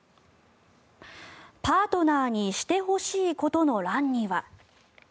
パートナーにしてほしいことの欄には。